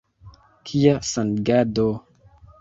Kia sangado!